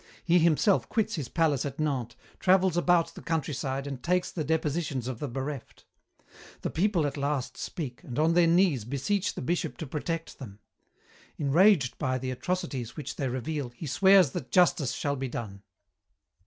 He himself quits his palace at Nantes, travels about the countryside, and takes the depositions of the bereft. The people at last speak, and on their knees beseech the Bishop to protect them. Enraged by the atrocities which they reveal, he swears that justice shall be done.